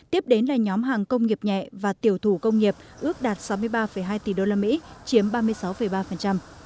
tiếp đến là nhóm hàng công nghiệp nhẹ và tiểu thủ công nghiệp ước đạt sáu mươi ba hai tỷ đô la mỹ chiếm ba mươi sáu ba